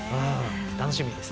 楽しみです。